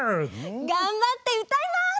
がんばってうたいます！